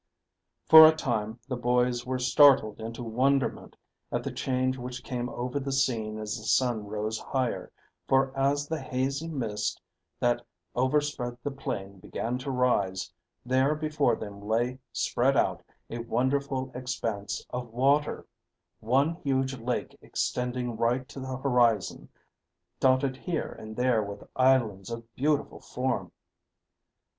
For a time the boys were startled into wonderment at the change which came over the scene as the sun rose higher, for as the hazy mist that overspread the plain began to rise, there before them lay spread out a wonderful expanse of water, one huge lake extending right to the horizon, dotted here and there with islands of beautiful form.